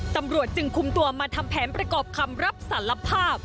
ตำรวจจึงคุมตัวมาทำแผนประกอบคำรับสารภาพ